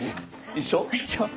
一緒。